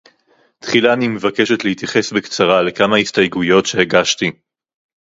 תחילה אני מבקשת להתייחס בקצרה לכמה הסתייגויות שהגשתי